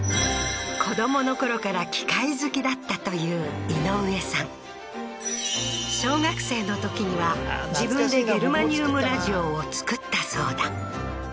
子供の頃から機械好きだったという井上さん小学生の時には自分でゲルマニウムラジオを作ったそうだ